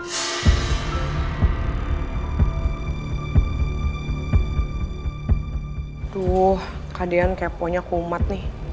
aduh kak deyan keponya kumat nih